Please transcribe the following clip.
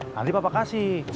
nanti papa kasih